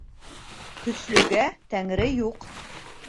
Көслөгә Тәңре юҡ.